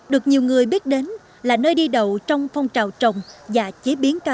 được nhiều người biết đến là nơi đi đầu trong phong trào trồng và chế biến cây